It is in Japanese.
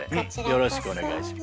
よろしくお願いします。